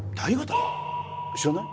知らない？